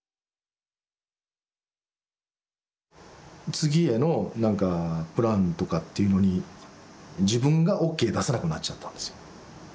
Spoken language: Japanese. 次へのなんかプランとかっていうのに自分がＯＫ出さなくなっちゃったんですよ。